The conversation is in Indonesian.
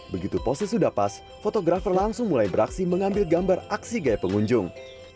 begitu posisi sudah pas fotografer langsung mulai beraksi mengambil gambar aksi gaya pengunjung